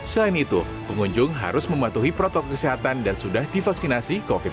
selain itu pengunjung harus mematuhi protokol kesehatan dan sudah divaksinasi covid sembilan belas